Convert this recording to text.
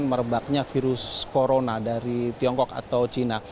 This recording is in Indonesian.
merebaknya virus corona dari tiongkok atau china